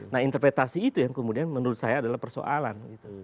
nah interpretasi itu yang menurut saya adalah persoalan